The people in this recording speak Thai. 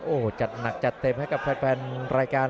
โอ้โหจัดหนักจัดเต็มให้กับแฟนรายการ